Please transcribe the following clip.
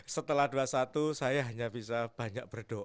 setelah dua puluh satu saya hanya bisa banyak berdoa